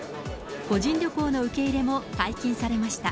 個人旅行の受け入れも解禁されました。